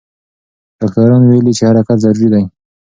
ډاکټران ویلي چې حرکت ضروري دی.